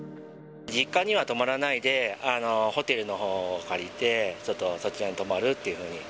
実家には泊まらないで、ホテルのほうを借りて、ちょっとそちらに泊まるっていうふうに。